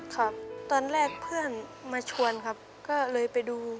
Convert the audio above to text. ครับตอนแรกเพื่อนมาชวนครับก็เลยไปดู